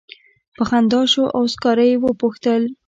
په خندا شو او سکاره یې وپوښتل.